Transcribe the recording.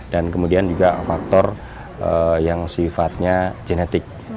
dan kemudian juga faktor yang sifatnya genetik